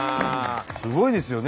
すごいですよね